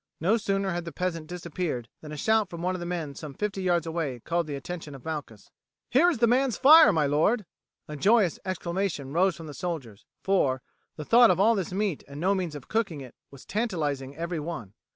No sooner had the peasant disappeared than a shout from one of the men some fifty yards away called the attention of Malchus. "Here is the man's fire, my lord." A joyous exclamation rose from the soldiers, for, the thought of all this meat and no means of cooking it was tantalizing every one.